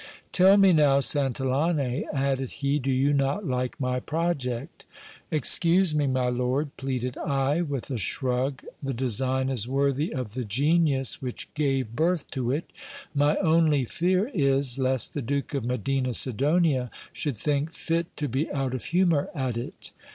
Tell me now, Santillane, added he, do you not like my project ? Excuse me, my lord, pleaded I, with a shrug, the design is worthy of the genius which gave birth to it : my only fear is, lest the Duke of Medina Sidonia should think fit to be out of humour at it.